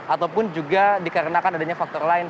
ataupun juga dikarenakan adanya faktor lain